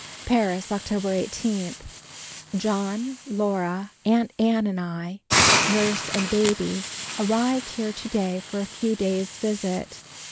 Paris, October 18. John, Laura, Aunt Ann and I, nurse and baby, arrived here to day for a few days' visit.